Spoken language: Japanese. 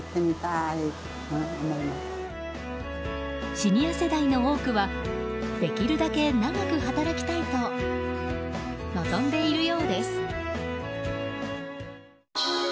シニア世代の多くはできるだけ長く働きたいと望んでいるようです。